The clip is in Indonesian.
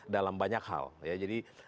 dalam banyak hal jadi